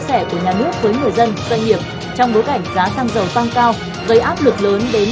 sẻ của nhà nước với người dân doanh nghiệp trong bối cảnh giá xăng dầu tăng cao gây áp lực lớn đến